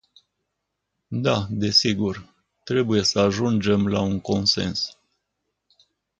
Da, desigur, trebuie să ajungem la un consens.